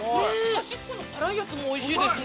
◆端っこの辛いやつもおいしいですね。